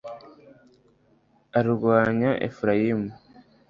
arwanya efurayimu